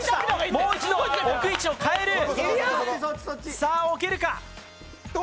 もう一度、置く位置を変える。